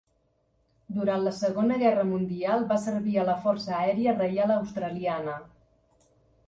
Durant la Segona Guerra Mundial va servir a la Força Aèria Reial Australiana.